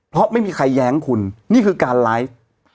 เพราะไม่มีใครแย้งคุณนี่คือการไลฟ์